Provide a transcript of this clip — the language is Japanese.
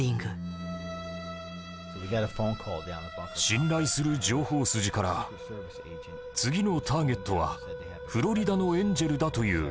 信頼する情報筋から「次のターゲットはフロリダのエンジェルだ」という連絡が来ました。